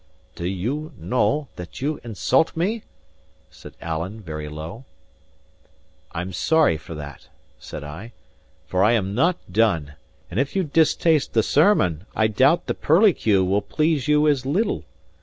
"Do you know that you insult me?" said Alan, very low. "I am sorry for that," said I, "for I am not done; and if you distaste the sermon, I doubt the pirliecue* will please you as little.